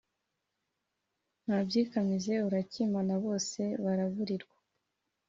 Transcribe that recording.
Nta byikamize urakimana bose baraburirwa